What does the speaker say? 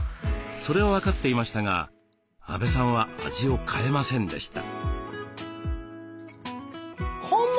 それは分かっていましたが阿部さんは味を変えませんでした。